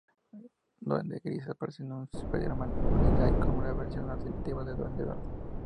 Duende Gris aparece en "Spider-Man Unlimited" como una versión alternativa del Duende Verde.